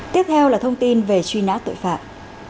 tiếp theo là thông tin về truy nã tội phạm